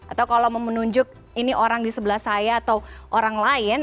atau kalau mau menunjuk ini orang di sebelah saya atau orang lain